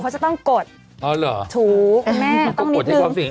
เขาจะต้องกดถูกแม่ก็ต้องนิดหนึ่งอ๋อเหรอต้องกดให้ความสิ่ง